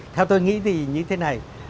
theo tôi nghĩ thì như thế này